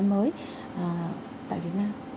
mới tại việt nam